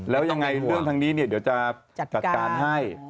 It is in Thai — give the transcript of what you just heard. แล้วยังไงเรื่องทางนี้เดี๋ยวจะจัดการให้